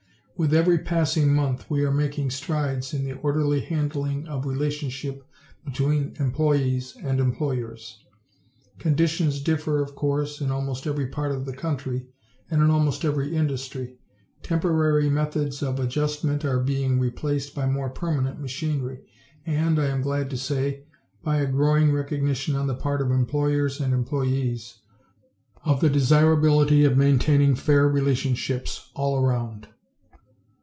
With every passing month we are making strides in the orderly handling of the relationship between employees and employers. Conditions differ, of course, in almost every part of the country and in almost every industry. Temporary methods of adjustment are being replaced by more permanent machinery and, I am glad to say, by a growing recognition on the part of employers and employees of the desirability of maintaining fair relationships all around.